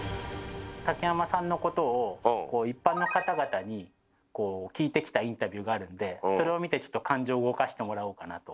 竹山さんのことを一般の方々に聞いてきたインタビューがあるんでそれを見て感情を動かしてもらおうかなと。